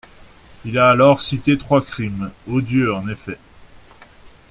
» Il a alors cité trois crimes, odieux en effet.